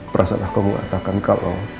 perasaan aku mengatakan kalau